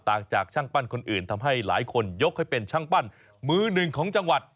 ต่างจากช่างปั้นคนอื่นทำให้หลายคนยกให้เป็นช่างปั้นมือหนึ่งของจังหวัด